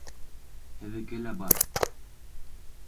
Һеҙҙеке лә бар.